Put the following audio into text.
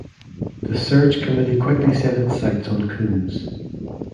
The search committee quickly set its sights on Coombs.